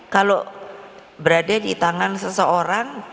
kalau berada di tangan seseorang